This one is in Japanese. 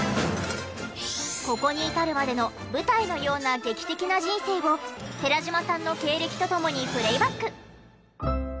ここに至るまでの舞台のような劇的な人生を寺島さんの経歴と共にプレイバック。